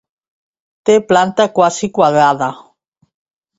Té planta quasi quadrada.